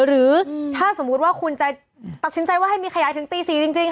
หรือถ้าสมมุติว่าคุณจะตัดสินใจว่าให้มีขยายถึงตี๔จริง